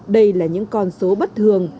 đây là những con số bất thường